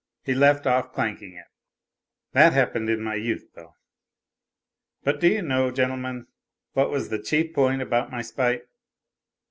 He left off clanking it. That happened in my youth, though. But do you know, gentlemen, what was the chief point about my spite